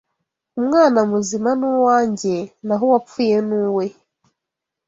Umwana muzima ni uwanjye naho uwapfuye ni uwe